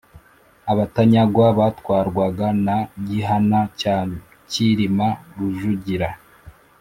Abatanyagwa batwarwaga na Gihana cya Cyilima Rujugira